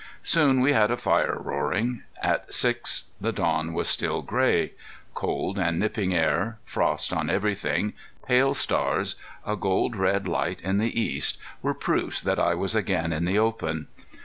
Soon we had a fire roaring. At six the dawn was still gray. Cold and nipping air, frost on everything, pale stars, a gold red light in the east were proofs that I was again in the open.